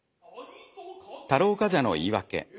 太郎冠者の言い訳。